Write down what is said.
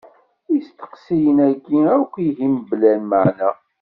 I yisteqsiyen-aki akk ihi mebla lmaɛna?